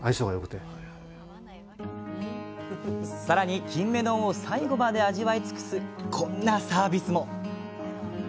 更にキンメ丼を最後まで味わい尽くすこんなサービスも。